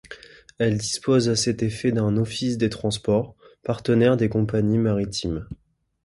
Elle dispose à cet effet d’un office des transports, partenaire des compagnies maritimes.